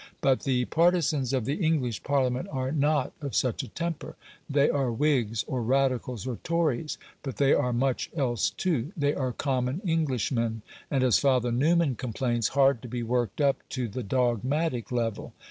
But the partisans of the English Parliament are not of such a temper. They are Whigs, or Radicals, or Tories, but they are much else too. They are common Englishmen, and, as Father Newman complains, "hard to be worked up to the dogmatic level".